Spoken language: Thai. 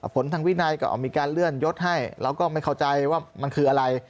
ผลทางวินัยก็มีการเลื่อนยดให้เราก็ไม่เข้าใจว่ามันคืออะไร